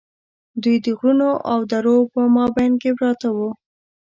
دوی د غرونو او درو په مابین کې پراته وو.